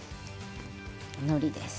のりです。